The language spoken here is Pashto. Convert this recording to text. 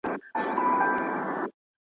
پر جنډۍ د شهیدانو سیوری نه وی د مغلو .